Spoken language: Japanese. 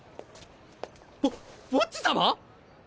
ボボッジ様！？